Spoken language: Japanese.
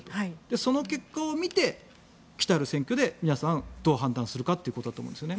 その結果を見て来たる選挙で皆さん、どう判断するかということだと思うんですね。